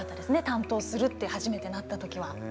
担当するって初めてなった時は。